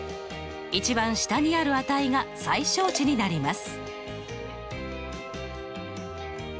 一番下にある値が最小値になります。